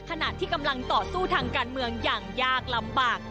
ขณะที่กำลังต่อสู้ทางการเมืองอย่างยากลำบาก